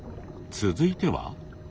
続いては。